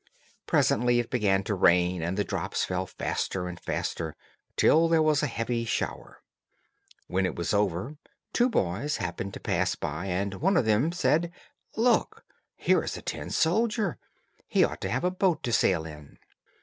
Presently it began to rain, and the drops fell faster and faster, till there was a heavy shower. When it was over, two boys happened to pass by, and one of them said, "Look, there is a tin soldier. He ought to have a boat to sail in."